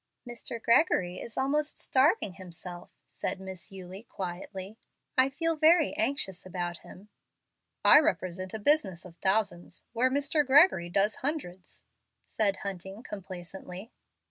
"Mr. Gregory is almost starving himself," said Miss Eulie, quietly. "I feel very anxious about him." "I represent a business of thousands where Mr. Gregory does hundreds," said Hunting, complacently.